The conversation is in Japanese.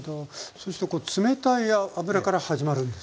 そして冷たい油から始まるんですね？